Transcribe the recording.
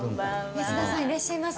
安田さんいらっしゃいませ。